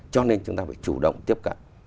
cho nên chúng ta phải chủ động tiếp cận